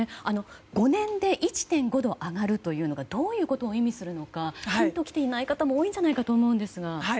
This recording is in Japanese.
５年で１．５度上がるというのがどういうことを意味するのかピンと来ていない方も多いんじゃないかと思いますが。